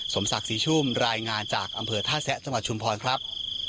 สมศักดิ์ศรีชุ่มรายงานจากอำเภอท่าแซะจังหวัดชุมพรครับ